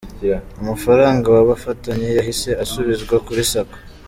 Amafaranga babafatanye yahise asubizwa kuri sacco.